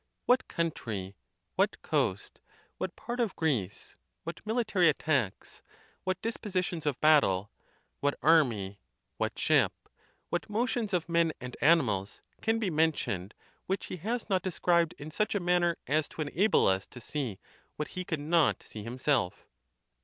What country, what coast, what part of Greece, what military attacks, what dispositions of battle, what army, what ship, what motions of men and animals, can be mentioned which he has not described in such a manner as to enable us to see what he could not see himself?